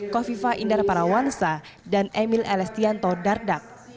kofifa indar parawansa dan emil elestianto dardak